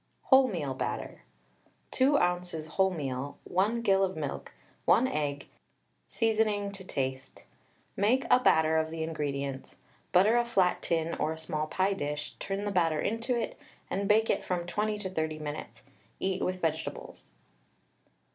WHOLEMEAL BATTER. 2 oz. wholemeal, 1 gill of milk, 1 egg, seasoning to taste. Make a batter of the ingredients, butter a flat tin or a small pie dish, turn the batter into it, and bake it from 20 to 30 minutes. Eat with vegetables.